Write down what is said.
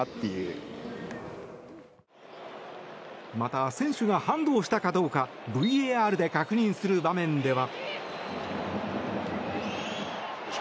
また、選手がハンドをしたかどうかＶＡＲで確認する場面では。